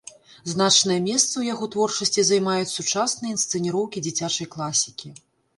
Значнае месца ў яго творчасці займаюць сучасныя інсцэніроўкі дзіцячай класікі.